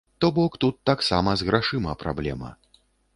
То бок, тут таксама з грашыма праблема.